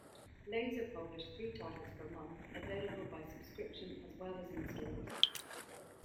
Laser published three titles per month, available by subscription as well as in stores.